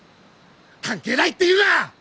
関係ないって言うな！